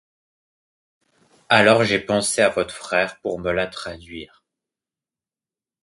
Alors, j'ai pensé à votre frère, pour me la traduire.